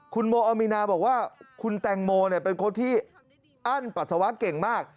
คุณโมอามีนาบอกว่าคุณแตงโมเป็นคนที่อั้นปัสสาวะเก่งมาก